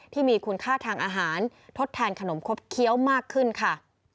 ที่มีคุณค่าทางอาหารทดแทนขนมคบเคี้ยวมากขึ้นค่ะ